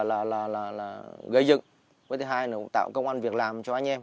là gây dựng với thứ hai là cũng tạo công an việc làm cho anh em